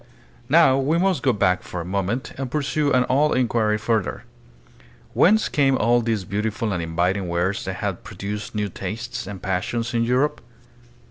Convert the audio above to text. Now we must go back for a moment and pursue an old inquiry further. Whence came all these beautiful and inviting wares that had produced new tastes and passions in Europe?